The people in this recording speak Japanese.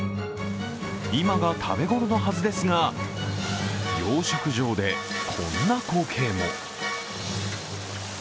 今が食べ頃のはずですが、養殖場でこんな光景も。